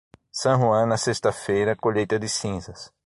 San Juan na sexta-feira, colheita de cinzas.